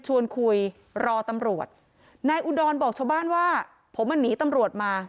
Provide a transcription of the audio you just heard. ช่วยตัวไปอ่ะยกไข้อ๋อขั้วเลยขอว่าพี่ตัว